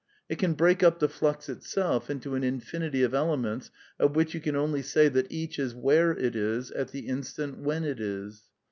It can break up the flux itself into an infinity of elements of which you can only say that each is where it is at the instant when it is.